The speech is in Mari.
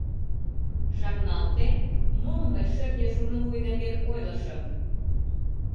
Шарналте, мом мый шӧртньӧ шурнывуй нерген ойлышым.